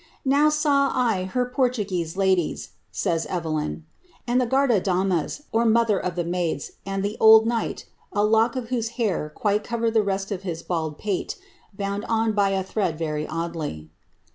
^*Now saw I her PortugiKM ladies,'^ says Evelyn, ^^and the guarda damas, or mother of her maidSf and the old knight, a lock of whose hair quite covered the rest of hit bald pate, bound on by a thread very oddly."